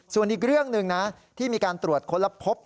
ส่วนอีกเรื่องหนึ่งนะที่มีการตรวจค้นและพบ